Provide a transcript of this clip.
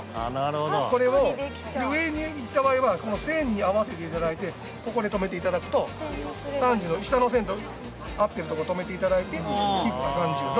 これを上にいった場合この線に合わせていただいてここで止めていただくと３０の下の線と合ってるとこ止めていただいて引くと３０度。